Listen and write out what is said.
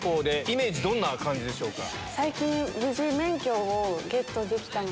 イメージどんな感じでしょうか？